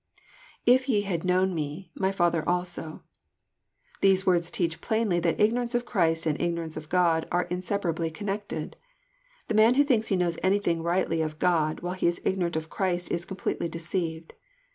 [If )fe had known me... my Father also."] These words teach » plainly that ignorance of Christ and ignorance of God are in \ separably connected. The man who thinks he knows anything rightly of God while he is ignorant of Chi'ist is completely de ceived.